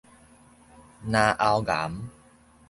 嚨喉癌